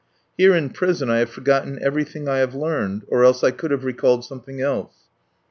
Here in prison I have forgotten everything I have learned, or else I could have recalled something else.